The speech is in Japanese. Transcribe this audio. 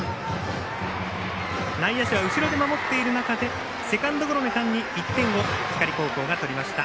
内野手は後ろで守っている中でセカンドゴロの間に１点を光高校が取りました。